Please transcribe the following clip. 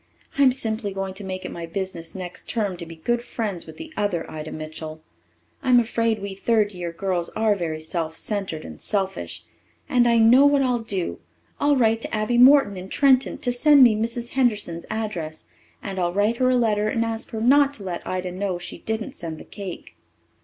I'm simply going to make it my business next term to be good friends with the other Ida Mitchell. I'm afraid we third year girls are very self centred and selfish. And I know what I'll do! I'll write to Abby Morton in Trenton to send me Mrs. Henderson's address, and I'll write her a letter and ask her not to let Ida know she didn't send the cake."